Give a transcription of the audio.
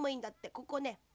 ここね。